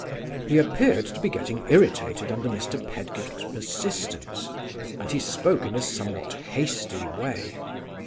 He appeared to be getting irritated under Mr. Pedgift's persistence, and he spoke in a somewhat hasty way.